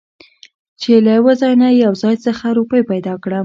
چې له يوه ځاى نه يو ځاى خڅه روپۍ پېدا کړم .